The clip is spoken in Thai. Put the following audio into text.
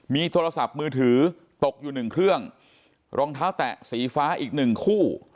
มีโทรศัพท์มือถือตกอยู่หนึ่งเครื่องรองเท้าแตะสีฟ้าอีกหนึ่งคู่